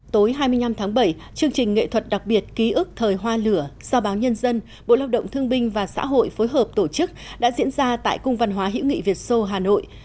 tối hai mươi năm tháng bảy chương trình nghệ thuật đặc biệt ký ức thời hoa lửa do báo nhân dân bộ lao động thương binh và xã hội phối hợp tổ chức đã diễn ra tại cung văn hóa hữu nghị việt sô hà nội